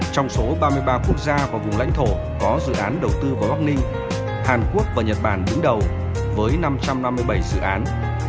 trong số ba mươi ba quốc gia và vùng lãnh thổ có dự án đầu tư vào bắc ninh hàn quốc và nhật bản đứng đầu với năm trăm năm mươi bảy dự án